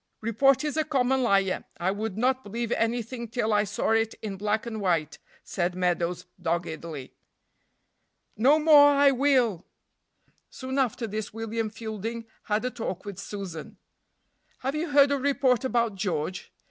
"Report is a common liar; I would not believe anything till I saw it in black and white," said Meadows, doggedly. "No more I will." Soon after this William Fielding had a talk with Susan. "Have you heard a report about George?"